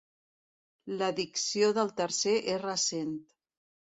L'addició del tercer és recent.